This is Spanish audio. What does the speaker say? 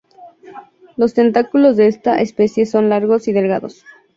Los tentáculos de esta especie son largos y delgados.